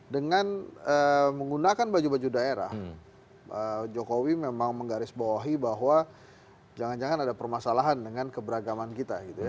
dengan menggunakan baju baju daerah jokowi memang menggarisbawahi bahwa jangan jangan ada permasalahan dengan keberagaman kita